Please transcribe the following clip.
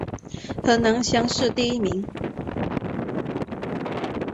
河南乡试第一名。